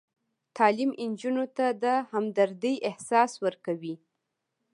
تعلیم نجونو ته د همدردۍ احساس ورکوي.